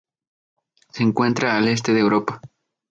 Se encuentra al este de Europa.